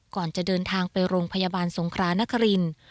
ก่อนจะเดินทางไปโรงพยาบาลสงครานครินทร์